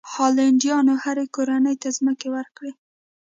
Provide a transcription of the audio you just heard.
هالنډیانو هرې کورنۍ ته ځمکې ورکړې.